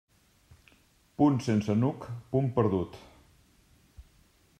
Punt sense nuc, punt perdut.